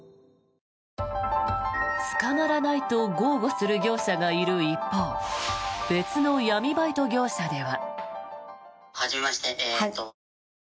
捕まらないと豪語する業者がいる一方別の闇バイト業者では。